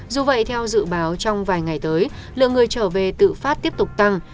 dù vậy theo dự báo trong vài ngày tới lượng người trở về tự phát tiếp tục tăng